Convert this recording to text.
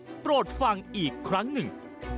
โชว์ถึงฟังอีกครั้งหนึ่ง